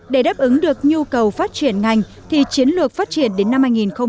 để đáp ứng được nhu cầu phát triển ngành thì chiến lược phát triển đến năm hai nghìn ba mươi